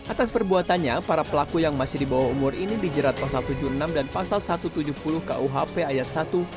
atas perbuatannya para pelaku yang masih di bawah umur ini dijerat pasal tujuh puluh enam dan pasal satu ratus tujuh puluh kuhp ayat satu